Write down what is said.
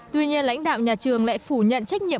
tuy nhiên lãnh đạo nhà trường lại phủ nhận